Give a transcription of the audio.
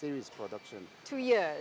untuk produksi seri